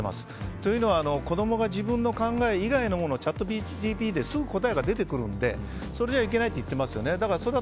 というのは、子供が自分の考え以外のものがチャットＧＰＴですぐ答えが出てくるのでそれじゃいけないといってますね。